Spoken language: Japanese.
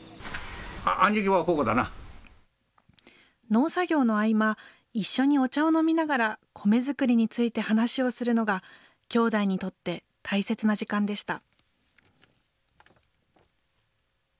農作業の合間、一緒にお茶を飲みながら、米作りについて話をするのが、兄弟にとって大切な時間でした。